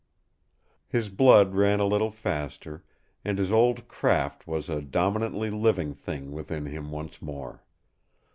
His blood ran a little faster, and his old craft was a dominantly living thing within him once more.